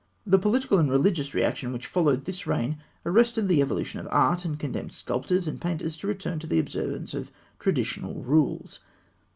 The political and religious reaction which followed this reign arrested the evolution of art, and condemned sculptors and painters to return to the observance of traditional rules.